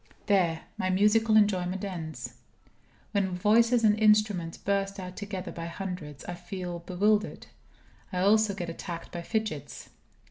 There, my musical enjoyment ends. When voices and instruments burst out together by hundreds, I feel bewildered. I also get attacked by fidgets.